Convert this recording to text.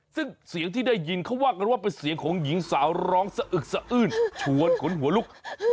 ซึ่งเสียงที่ได้ยินเขาว่ากันว่าเป็นเสียงของหญิงสาวร้องสะอึกสะอื้นชวนขนหัวลุก